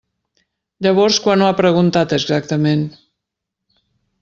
Llavors, quan ho ha preguntat, exactament?